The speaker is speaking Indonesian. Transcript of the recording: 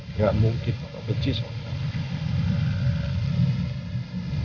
nggak mungkin papa benci sama andi